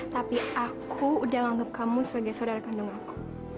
tapi aku udah menganggap kamu sebagai saudara kandung aku